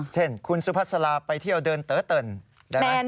อ๋อเช่นคุณซุภัสราไปเที่ยวเดินเต๋อเต่น